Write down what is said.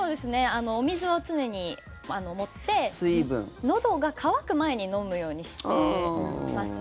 お水を常に持ってのどが渇く前に飲むようにしてますね。